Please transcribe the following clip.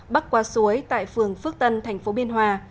bắc qua suối tại phường phước tân thành phố biên hòa